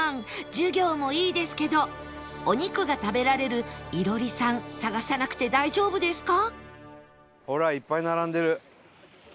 授業もいいですけどお肉が食べられるいろりさん探さなくて大丈夫ですか？